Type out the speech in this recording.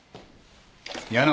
矢野。